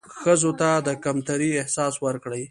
ښځو ته د کمترۍ احساس ورکړى